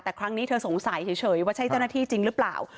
แต่ครั้งนี้เธอสงสัยเฉยว่าใช่เจ้าหน้าที่จริงหรือเปล่า